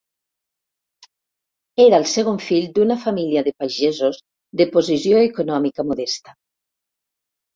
Era el segon fill d'una família de pagesos de posició econòmica modesta.